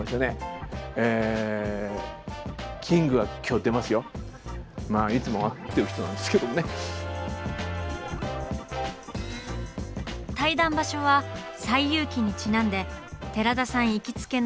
対談場所は「西遊記」にちなんで寺田さん行きつけの餃子屋さん。